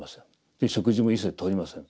で食事も一切とりません。